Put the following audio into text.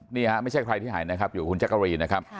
นี่ครับไม่ใช่ใครที่หายนะครับอยู่หุ่นจักรรีนะครับ